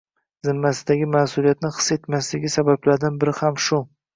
zimmasidagi mas’uliyatni his etmasligi sabablaridan biri ham shu.